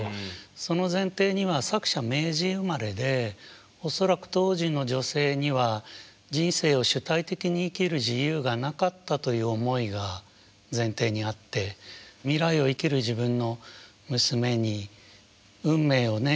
その前提には作者明治生まれで恐らく当時の女性には人生を主体的に生きる自由がなかったという思いが前提にあって未来を生きる自分の娘に運命をね